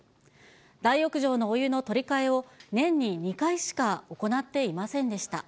大浴場のお湯の取り換えを年に２回しか行っていませんでした。